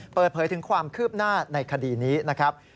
เปิดเผยถึงความคืบหน้าในคดีนี้นะครับ